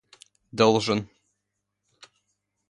должен